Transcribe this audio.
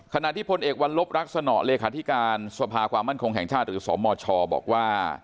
ขณะที่พลเอกวัลลบรักษณะเลขาธิการสภาความมั่นคงแห่งชาติหรือสมชบอกว่า